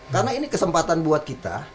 karena ini kesempatan buat kita